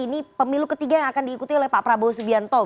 ini pemilu ketiga yang akan diikuti oleh pak prabowo subianto